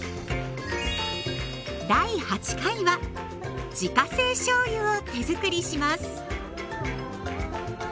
第８回は自家製しょうゆを手づくりします。